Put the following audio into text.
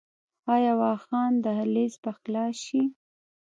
آیا واخان دهلیز به خلاص شي؟